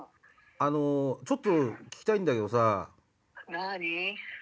ちょっと聞きたいんだけどさ。